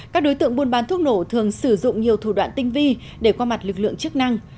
các đối tượng buôn bán thuốc nổ thường sử dụng nhiều thủ đoạn tinh vi để qua mặt lực lượng chức năng